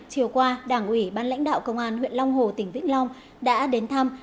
chiều qua đảng ủy ban lãnh đạo công an huyện long hồ tỉnh vĩnh long đã đến thăm